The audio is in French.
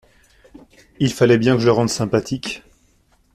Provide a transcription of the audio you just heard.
Il fallait bien que je le rende sympathique.